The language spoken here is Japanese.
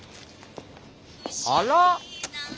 あら。